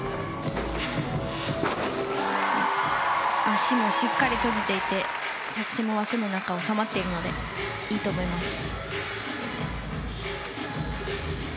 足もしっかり閉じていて着地も枠の中に収まっているのでいいと思います。